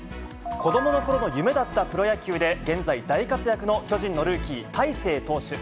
子どものころの夢だったプロ野球で現在、大活躍の巨人のルーキー、大勢投手。